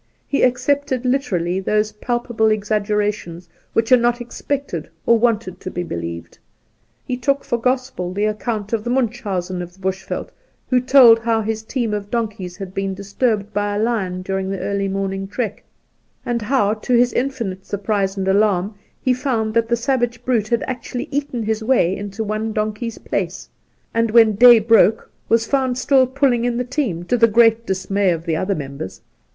He accepted literally those palpable exaggerations which are not expected or wanted to be believed. He took for gospel the account of the Munchausen of the Bush veld who told how his team of donkeys had been disturbed by a lion during the early morning trek, and how, to his infinite surprise and alarm, he found that the savage brute had actually eaten his way into one donkey's place, and when day broke was found still pulling in the team, to the great dismay of the other members.